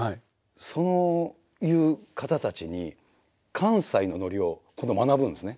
そういう方たちに関西のノリを今度学ぶんですね。